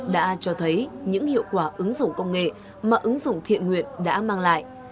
đã cho thấy những hiệu quả ứng dụng công nghệ mà ứng dụng thiện nguyện đã mang lại